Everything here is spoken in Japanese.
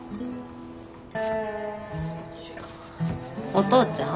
お父ちゃん